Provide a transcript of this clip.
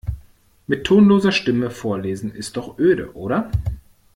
Mit tonloser Stimme vorlesen ist doch öde, oder?